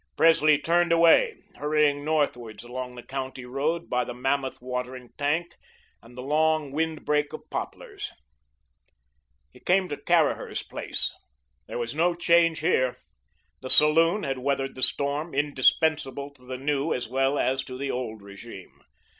Presley turned away, hurrying northwards along the County Road by the mammoth watering tank and the long wind break of poplars. He came to Caraher's place. There was no change here. The saloon had weathered the storm, indispensable to the new as well as to the old regime.